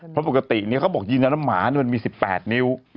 เพราะปกติเนี่ยเขาบอกยินดำหมาเนี่ยมันมี๑๘นิ้ว